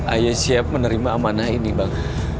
ayo siap menerima amanah ini bang